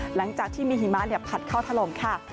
หลังจากที่มีหิมะเหลี่ยบขัดเข้าทะลมค่ะ